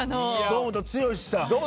堂本剛さん。